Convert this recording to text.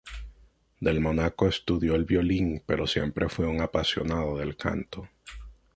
Del Monaco estudió el violín pero siempre fue un apasionado del canto.